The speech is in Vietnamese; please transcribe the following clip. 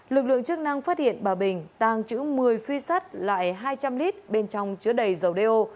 lực lượng chức năng phát hiện bà bình tăng chữ một mươi phi sắt lại hai trăm linh lít bên trong chứa đầy dầu đê ô